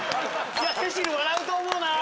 セシル笑うと思うな。